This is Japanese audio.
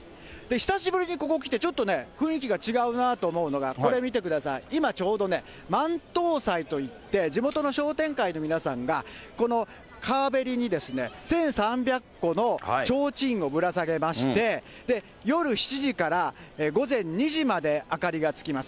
久しぶりにここ来て、ちょっとね、雰囲気が違うなと思うのが、これ見てください、今、ちょうどね、万灯祭といって、地元の商店会の皆さんが、この川べりにですね、１３００個のちょうちんをぶら下げまして、夜７時から午前２時まで明かりがつきます。